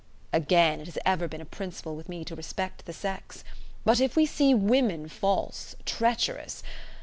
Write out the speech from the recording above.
Again, it has ever been a principle with me to respect the sex. But if we see women false, treacherous